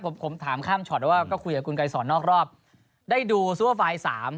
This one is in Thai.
ผมผมถามข้ามช็อตแล้วว่าก็คุยกับคุณไกรสอนนอกรอบได้ดูซูเปอร์ไฟล์สาม